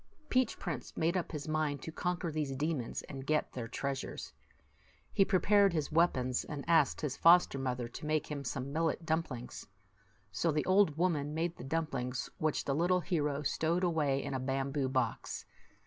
Peach Prince made up his mind to conquer these demons and get their treasures. He pre pared his weapons, and asked his foster mother to make him some millet dumplings. So the old woman made the dumplings, which the little hero stowed away in a bamboo box.